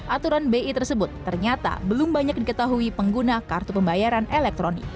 aturan bi tersebut ternyata belum banyak diketahui pengguna kartu pembayaran elektronik